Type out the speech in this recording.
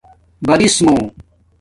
برِسمُو